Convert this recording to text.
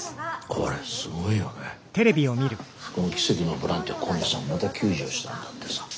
この奇跡のボランティア小西さんまた救助したんだってさ。